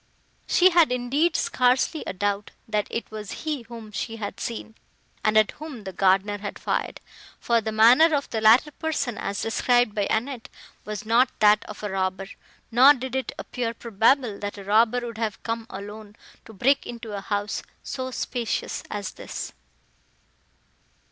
She had, indeed, scarcely a doubt, that it was he whom she had seen, and at whom the gardener had fired: for the manner of the latter person, as described by Annette, was not that of a robber; nor did it appear probable, that a robber would have come alone, to break into a house so spacious as this.